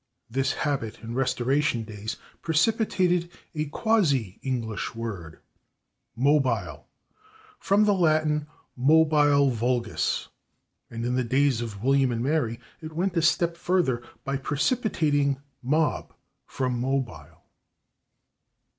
This habit, in Restoration days, precipitated a quasi English word, /mobile/, from the Latin [Pg160] /mobile vulgus/, and in the days of William and Mary it went a step further by precipitating /mob/ from /mobile